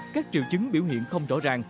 các triệu chứng biểu hiện không rõ ràng